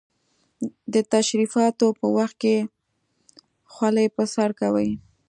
د تشریفاتو په وخت کې خولۍ پر سر کوي.